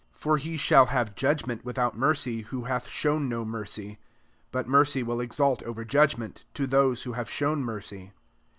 13 For he shall have judgment without mercy, who hath shown no mercy : but mercy will exult over judigment) to those who have shown mercy.